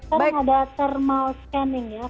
sekarang ada thermal scanning ya